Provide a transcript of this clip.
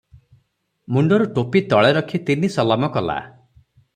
ମୁଣ୍ଡରୁ ଟୋପି ତଳେ ରଖି ତିନି ସଲାମ କଲା ।